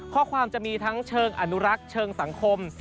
ข้อความจะมีทั้งเชิงอนุรักษ์เชิงสังคม